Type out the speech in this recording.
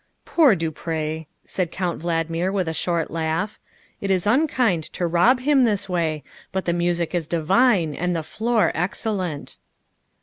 " Poor du Pre," said Count Valdmir with a short laugh, " it is unkind to rob him this way, but the music is divine and the floor excellent."